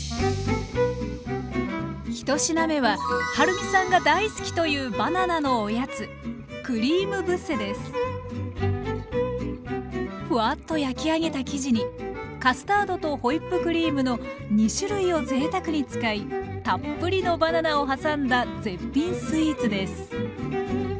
１品目ははるみさんが大好きというバナナのおやつフワッと焼き上げた生地にカスタードとホイップクリームの２種類をぜいたくに使いたっぷりのバナナを挟んだ絶品スイーツです！